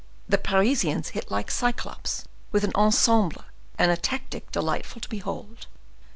The Parisians hit like Cyclops, with an ensemble and a tactic delightful to behold.